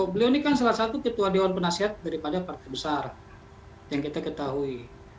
beliau ini kan salah satu ketua dewan penasihat daripada partai besar yang kita ketahui